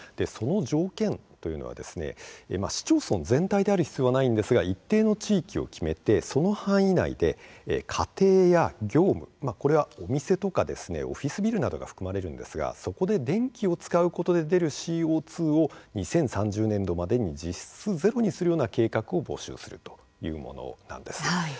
その条件というのは市町村全体である必要はないんですが一定の地域を決めてその範囲内で家庭や業務、これはお店とか、オフィスビルなどが含まれるんですがそこで電気を使うことで出るＣＯ２を２０３０年度までに実質ゼロにするような計画を募集するというものなんです。